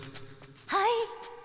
はい。